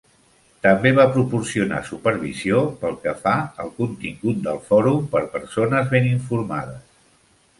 També va proporcionar supervisió pel que fa al contingut del fòrum per persones ben informades.